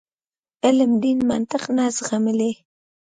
علم دین منطق نه زغملای.